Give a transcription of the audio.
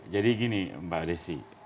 jadi gini mbak desi